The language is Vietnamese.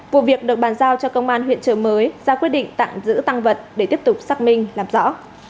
vụ việc được bàn giao cho công an huyện trợ mới ra quyết định tạm giữ tăng vật để tiếp tục xác minh làm rõ